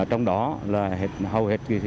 trong đó là hầu hết